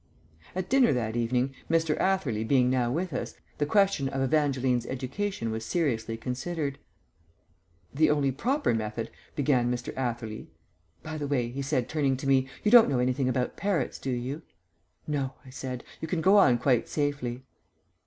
At dinner that evening, Mr. Atherley being now with us, the question of Evangeline's education was seriously considered. "The only proper method," began Mr. Atherley "By the way," he said, turning to me, "you don't know anything about parrots, do you?" "No," I said. "You can go on quite safely."